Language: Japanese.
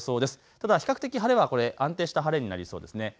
ただ比較的晴れはこれ、安定した晴れになりそうですね。